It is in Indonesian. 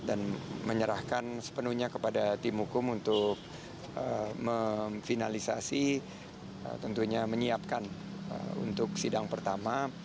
dan menyerahkan sepenuhnya kepada tim hukum untuk memfinalisasi tentunya menyiapkan untuk sidang pertama